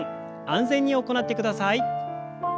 安全に行ってください。